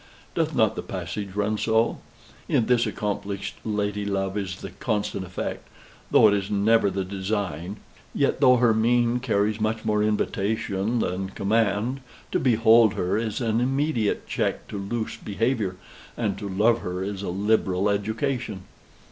Doth not the passage run so? 'In this accomplished lady love is the constant effect, though it is never the design; yet though her mien carries much more invitation than command, to behold her is an immediate check to loose behavior, and to love her is a liberal education.'"